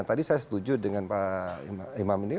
tadi saya setuju dengan pak imah